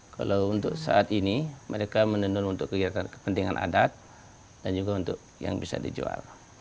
kalau untuk saat ini mereka menenun untuk kegiatan kepentingan adat dan juga untuk yang bisa dijual